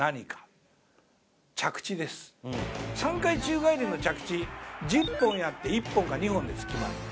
３回宙返りの着地１０本やって１本か２本です決まるのは。